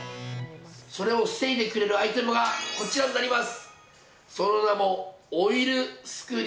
それを防ぐアイテムがこちらになります。